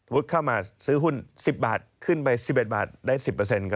เข้ามาซื้อหุ้น๑๐บาทขึ้นไป๑๑บาทได้๑๐ครับ